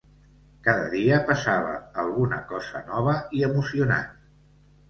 Cada dia passava alguna cosa nova i emocionant.